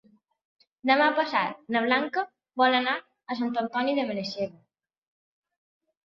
Demà passat na Blanca vol anar a Sant Antoni de Benaixeve.